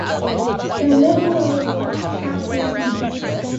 The liberals lost half their seats.